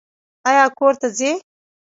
ایا کور ته ځئ؟